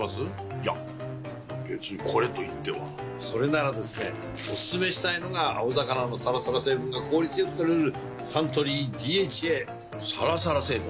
いや別にこれといってはそれならですねおすすめしたいのが青魚のサラサラ成分が効率良く摂れるサントリー「ＤＨＡ」サラサラ成分？